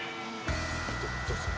どどうする？